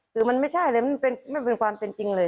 คือมันไม่ใช่เลยมันเป็นความเป็นจริงเลย